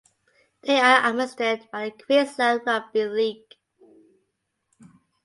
They are administered by the Queensland Rugby League.